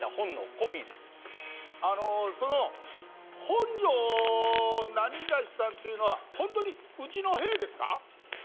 あのそのほんじょうなにがしさんっていうのは本当にうちの兵ですか？